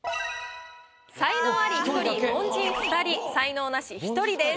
才能アリ１人凡人２人才能ナシ１人です。